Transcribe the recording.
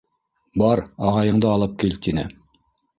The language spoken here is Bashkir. — Бар, ағайыңды алып кил! — тине.